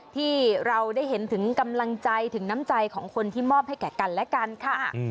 ที่เราได้เห็นถึงกำลังใจถึงน้ำใจของคนที่มอบให้แก่กันและกันค่ะ